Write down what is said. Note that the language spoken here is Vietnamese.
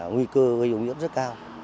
nguy cơ gây ô nhiễm rất cao